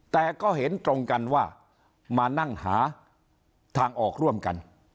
แต่ก็เห็นตรงกันว่ามานั่งหาทางออกร่วมกัน